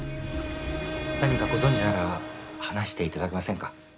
何かご存じなら話して頂けませんか？